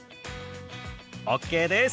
ＯＫです！